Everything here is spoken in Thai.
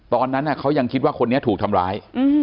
ตอนนั้นเขายังคิดว่าคนนี้ถูกทำร้าย